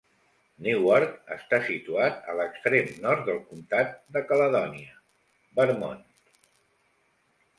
Newark està situat a l'extrem nord del comtat de Caledònia, Vermont.